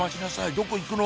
どこ行くの？